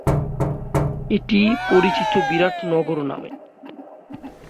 এটি পরিচিত বিরাট নগর নামে।